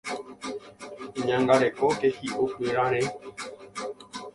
Eñangarekóke hi'upyrãre.